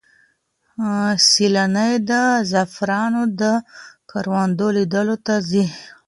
سیلانۍ د زعفرانو د کروندو لیدلو ته ځي.